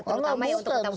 terutama yang terutama